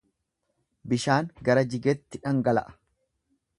Bishaan gara jigetti dhangala'a.